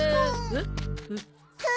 えっ？